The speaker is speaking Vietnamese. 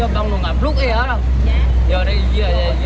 xuống bao nhiêu xeo rồi